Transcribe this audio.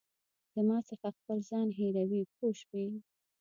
زما څخه خپل ځان هېروې پوه شوې!.